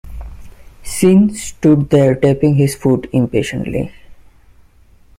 Sean stood there tapping his foot impatiently.